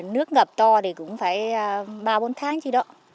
nước ngập to thì cũng phải ba bốn tháng chỉ đó